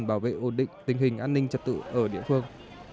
bảo vệ ổn định tình hình an ninh trật tự ở địa phương